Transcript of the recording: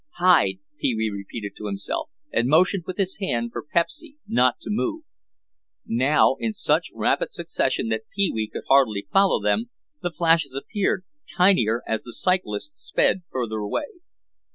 "Hide," Pee wee repeated to himself and motioned with his hand for Pepsy not to move. Now, in such rapid succession that Pee wee could hardly follow them, the flashes appeared, tinier as the cyclist sped further away.